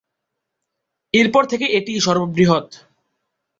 এরপর থেকে এটিই সর্ববৃহৎ।